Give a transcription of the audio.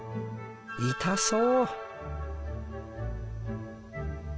痛そう」。